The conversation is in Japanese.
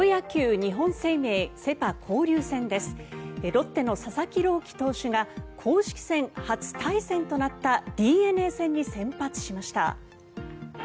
ロッテの佐々木朗希投手が公式戦初対戦となったＤｅＮＡ戦に先発しました。